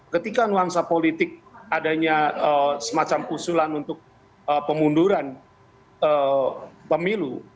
ketika nuansa politik adanya semacam usulan untuk pemunduran pemilu